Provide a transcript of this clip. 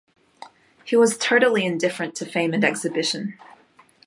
He was totally indifferent to fame and exhibition.